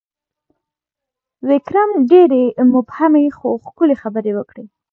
ویکرم ډېرې مبهمې، خو ښکلي خبرې وکړې: